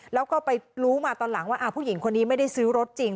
แล้วก็ไปรู้มาตอนหลังว่าผู้หญิงคนนี้ไม่ได้ซื้อรถจริง